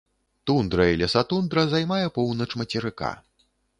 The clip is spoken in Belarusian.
Тундра і лесатундра займае поўнач мацерыка.